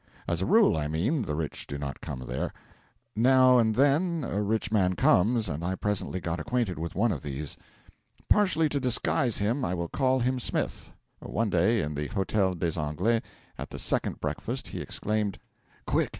As a rule, I mean, the rich do not come there. Now and then a rich man comes, and I presently got acquainted with one of these. Partially to disguise him I will call him Smith. One day, in the Hotel des Anglais, at the second breakfast, he exclaimed: 'Quick!